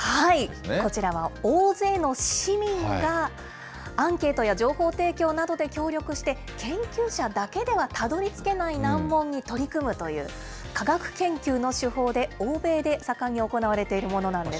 こちらは大勢の市民がアンケートや情報提供などで協力して、研究者だけではたどりつけない難問に取り組むという、科学研究の手法で欧米で盛んに行われているものなんです。